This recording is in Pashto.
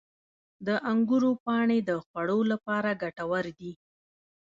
• د انګورو پاڼې د خوړو لپاره ګټور دي.